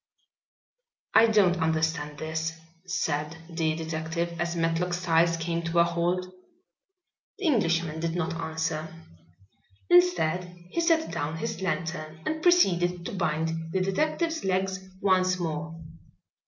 "I don't understand this," said the detective, as Matlock Styles came to a halt. The Englishman did not answer. Instead, he set down his lantern and proceeded to bind the detective's legs once more.